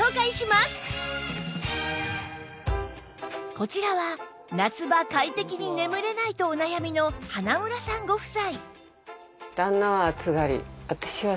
こちらは夏場快適に眠れないとお悩みの花村さんご夫妻